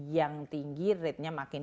yang tinggi rate nya makin